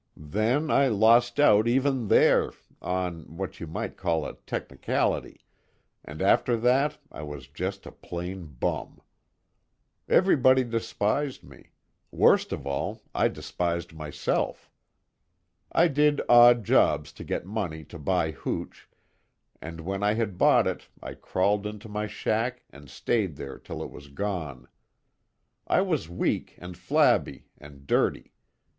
Then I lost out even there, on what you might call a technicality and after that I was just a plain bum. Everybody despised me worst of all, I despised myself. I did odd jobs to get money to buy hooch, and when I had bought it I crawled into my shack and stayed there till it was gone. I was weak and flabby, and dirty.